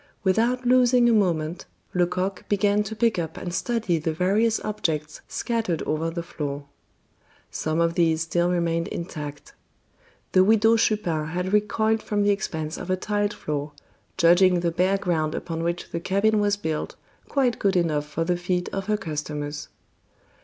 Without losing a moment, Lecoq began to pick up and study the various objects scattered over the floor. Some of these still remained intact. The Widow Chupin had recoiled from the expense of a tiled floor, judging the bare ground upon which the cabin was built quite good enough for the feet of her customers.